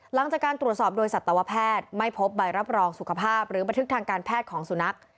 หลังจากการตรวจสอบโดยสัตวแพทย์ไม่พบใบรับรองสุขภาพหรือบันทึกทางการแพทย์ของสุนัข